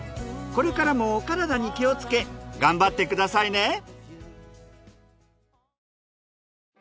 これからもお体に気をつけ頑張ってくださいね。